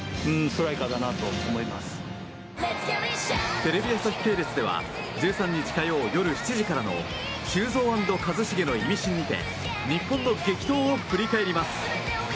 テレビ朝日系列では１３日火曜よる７時からの「修造＆一茂のイミシン」にて日本の激闘を振り返ります。